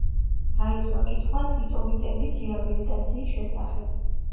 დაისვა კითხვა „ტიტოვიტების“ რეაბილიტაციის შესახებ.